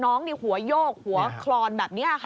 หัวโยกหัวคลอนแบบนี้ค่ะ